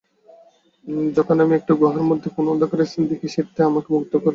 যখন আমি একটা গুহার মধ্যে কোন অন্ধকার স্থান দেখি, সেটা আমাকে মুগ্ধ করে।